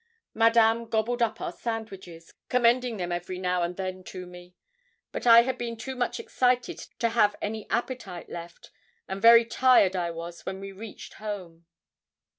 Madame gobbled up our sandwiches, commending them every now and then to me. But I had been too much excited to have any appetite left, and very tired I was when we reached home.